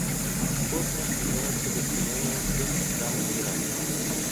Космос является достоянием всех стран мира.